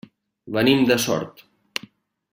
Venim de Sort.